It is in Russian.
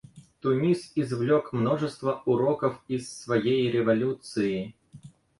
Тунис извлек множество уроков из своей революции.